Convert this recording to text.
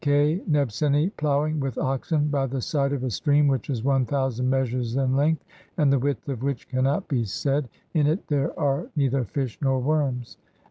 (k) Nebseni ploughing with oxen by the side of a stream which is one thousand [measures] in length, and the width of which cannot be said ; in it there are neither fish nor worms.